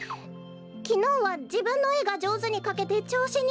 きのうはじぶんのえがじょうずにかけてちょうしにのっちゃったの。